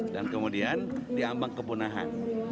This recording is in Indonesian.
dan kemudian diambang kepunahan